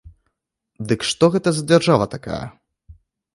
Дык што гэта за дзяржава такая?